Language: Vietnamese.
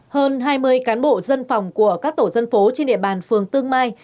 hơn hai mươi cán bộ dân phòng của các tổ dân phố trên địa bàn phường tương mai